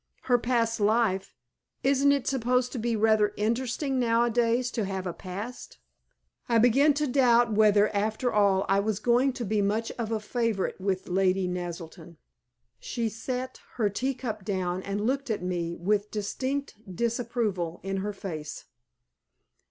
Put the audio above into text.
"Her past life? Isn't it supposed to be rather interesting nowadays to have a past?" I began to doubt whether, after all, I was going to be much of a favorite with Lady Naselton. She set her tea cup down, and looked at me with distinct disapproval in her face.